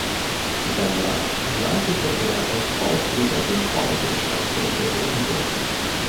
Danach leitete er als Bauführer den Bau der Stadtkirche Rotenburg.